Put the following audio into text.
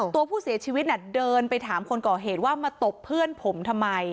ตัวผู้เสียชีวิตเดินไปถามคนก่อเหตุว่ามาตบเพื่อนผมทำไม